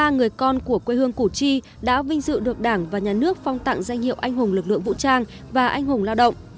ba người con của quê hương củ chi đã vinh dự được đảng và nhà nước phong tặng danh hiệu anh hùng lực lượng vũ trang và anh hùng lao động